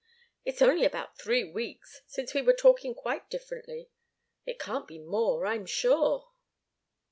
It's only about three weeks since we were talking quite differently. It can't be more, I'm sure."